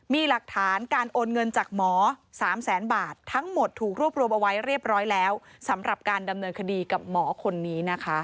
มีหลักฐานการโอนเงินจากหมอ๓แสนบาททั้งหมดถูกรวบรวมเอาไว้เรียบร้อยแล้วสำหรับการดำเนินคดีกับหมอคนนี้นะคะ